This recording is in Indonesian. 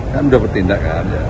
kan udah bertindak kan